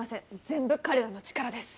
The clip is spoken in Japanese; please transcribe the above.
全部彼らの力です